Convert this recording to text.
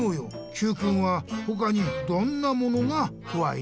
Ｑくんはほかにどんなものがこわい？